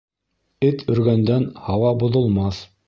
Эт өргәндән һауа боҙолмаҫ.